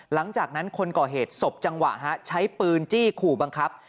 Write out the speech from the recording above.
หลังจากนั้นคนก่อเหตุสบจังหวะใช้ปืนจี้ขู่บังคับ